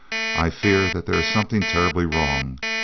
I fear that there is something terribly wrong.